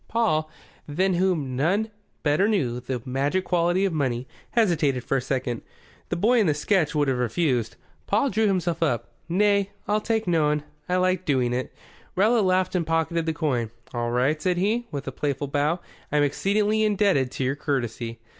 Paul, than whom none better knew the magic quality of money, hesitated for a second. The boy in the sketch would have refused. Paul drew himself up. "Nay, I'll take noan. I liked doing it." Rowlatt laughed and pocketed the coin. "All right," said he, with a playful bow. "I'm exceedingly indebted to your courtesy."